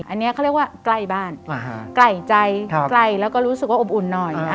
อันนี้เขาเรียกว่าใกล้บ้านใกล้ใจใกล้แล้วก็รู้สึกว่าอบอุ่นหน่อย